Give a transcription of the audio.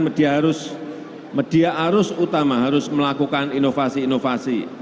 media arus utama harus melakukan inovasi inovasi